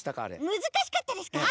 むずかしかったですか？